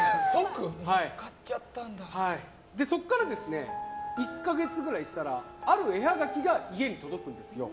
そこから１か月ぐらいしたらある絵はがきが家に届くんですよ。